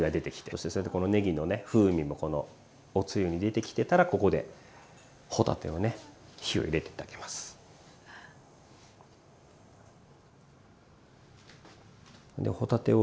そしてこのねぎのね風味もおつゆに出てきてたらここで帆立てをね火を入れてってあげます。